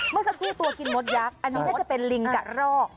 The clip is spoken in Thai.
เมื่อสักครู่ตัวกินมดยักษ์อันนี้น่าจะเป็นลิงกะรอก